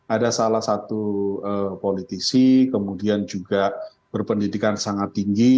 ada salah satu politisi kemudian juga berpendidikan sangat tinggi